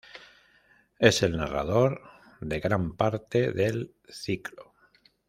Es el narrador de gran parte del ciclo.